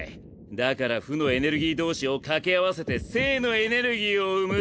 だから負のエネルギー同士を掛け合わせて正のエネルギーを生む。